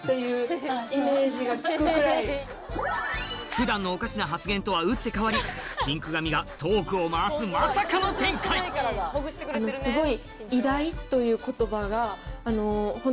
普段のおかしな発言とは打って変わりピンク髪がトークを回すまさかの展開すごい。